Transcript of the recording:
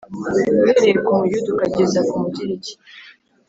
uhereye ku Muyuda ukageza ku Mugiriki.